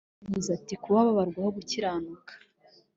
Pawulo yaravuze ati ‘kuba babarwaho gukiranuka